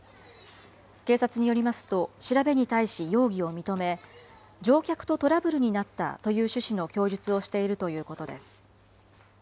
警察によりますと、調べに対し容疑を認め、乗客とトラブルになったという趣旨の供述をしているということです。